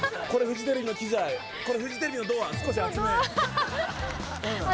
これフジテレビのドア少し厚め。